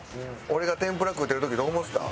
俺が天ぷら食うてる時どう思ってた？